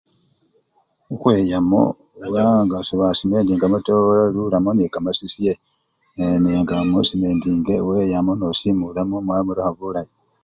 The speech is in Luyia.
Khukhweyamo nga sewasimendamo taa welulamo nekamasisye nenga wasimendamo weyamo nosimulamo mwabonekha bulayi.